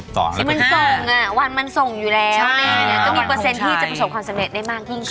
มีเปอร์เซ็นต์ที่จะผสมความสำเร็จได้มากที่ขึ้น